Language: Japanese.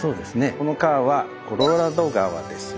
この川はコロラド川ですね。